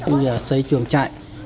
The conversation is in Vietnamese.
như xây chuồng trại